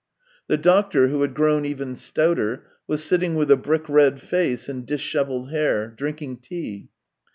The doctor, who had grown even stouter, was sitting with a brick red face and dishevelled hair, drinking tea.